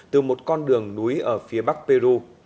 từ một con đường núi ở phía bắc peru